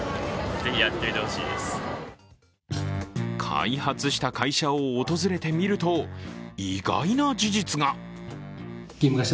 開発した会社を訪れてみると意外な事実が。